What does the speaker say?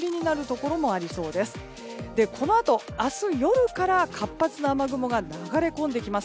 このあと、明日夜から活発な雨雲が流れ込んできます。